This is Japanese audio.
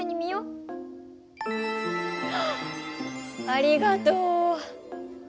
ありがとう！